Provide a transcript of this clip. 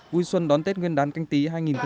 vui xuân đón tết nguyên đán canh tí hai nghìn hai mươi